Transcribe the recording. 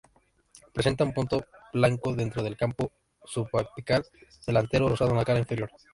Presenta un punto blanco dentro del campo subapical delantero, rosado en la cara inferior.